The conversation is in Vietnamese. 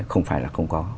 không phải là không có